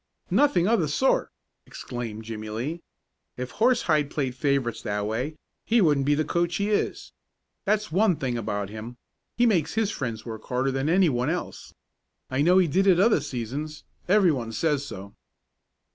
"Nothing of the sort!" exclaimed Jimmie Lee. "If Horsehide played favorites that way, he wouldn't be the coach he is. That's one thing about him he makes his friends work harder than anyone else. I know he did it other seasons everyone says so."